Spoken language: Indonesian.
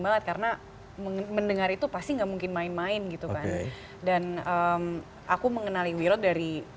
banget karena mendengar itu pasti enggak mungkin main main gitu kan dan aku mengenali wiro dari